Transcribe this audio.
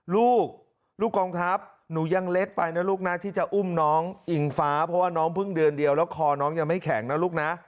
ลูกลูกกองทัพหนูยังเล็กไปนะลูกนะที่จะอุ้มน้องอิงฟ้าเพราะว่าน้องเพิ่งเดือนเดียวแล้วคอน้องยังไม่แข็งนะลูกนะ